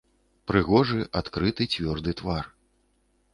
Прыгожы, адкрыты, цвёрды твар.